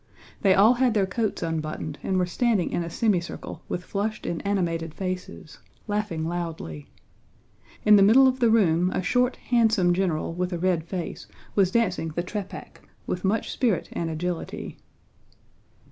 They all had their coats unbuttoned and were standing in a semicircle with flushed and animated faces, laughing loudly. In the middle of the room a short handsome general with a red face was dancing the trepák with much spirit and agility.